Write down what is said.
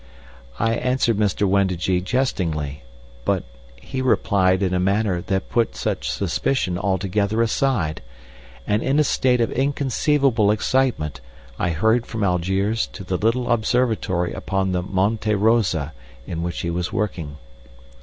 I answered Mr. Wendigee jestingly, but he replied in a manner that put such suspicion altogether aside, and in a state of inconceivable excitement I hurried from Algiers to the little observatory upon the Monte Rosa in which he was working.